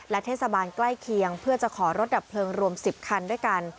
เทศบาลใกล้เคียงเพื่อจะขอรถดับเพลิงรวม๑๐คันด้วยกัน